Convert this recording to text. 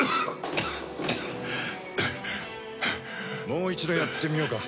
もう一度やってみようか。